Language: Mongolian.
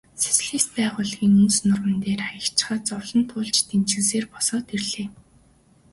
Социалист байгуулалтын үнс нурман дээр хаягдчихаад зовлон туулж дэнжгэнэсээр босоод ирлээ.